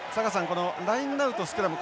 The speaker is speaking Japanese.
このラインアウトスクラム。